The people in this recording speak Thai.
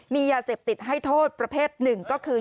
มียาเสพติดให้โทษประเภทหนึ่งก็คือ